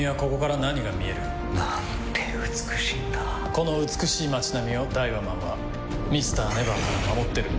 この美しい街並みをダイワマンはＭｒ．ＮＥＶＥＲから守ってるんだ。